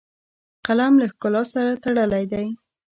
قلم له ښکلا سره تړلی دی